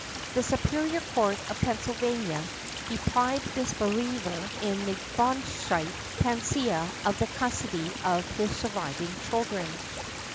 The Superior Court of Pennsylvania deprived this believer in the Baunscheidt panacea of the custody of his surviving children .